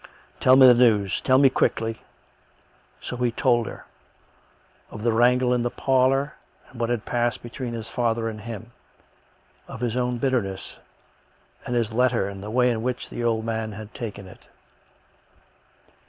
" Tell me the news ; tell me quickly." So he told her; of the wrangle in the parlour and what COME RACK! COME ROPE! 63 had passed between his father and him; of his own bitter ness; and his letter, and the way in which the old man had taken it.